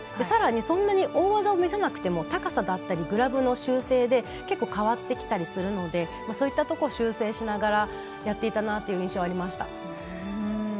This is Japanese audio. さらに、そんなに大技を見せなくても高さだったりグラブの修正で結構、変わるのでそういったところを修正しながらやっていたなという印象がありました。